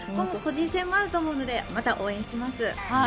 個人戦もあると思うのでまた応援します。